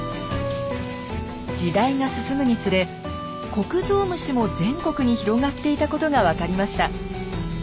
時代が進むにつれコクゾウムシも全国に広がっていたことが分かりました。